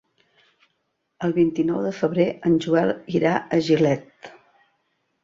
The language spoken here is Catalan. El vint-i-nou de febrer en Joel irà a Gilet.